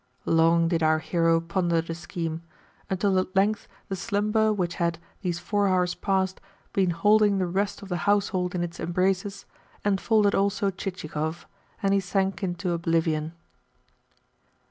Long did our hero ponder the scheme; until at length the slumber which had, these four hours past, been holding the rest of the household in its embraces enfolded also Chichikov, and he sank into oblivion.